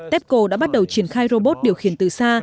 tepco đã bắt đầu triển khai robot điều khiển từ xa